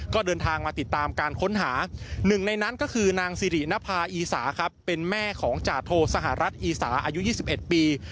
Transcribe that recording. ก็เดินทางมาติดตามการค้นหาหนึ่งในนั้นก็คือนางสิรินภาอีสาครับเป็นแม่ของจาโทสหรัฐอีสาอายุ๒๑ปี